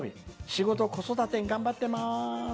仕事、子育て頑張ってます。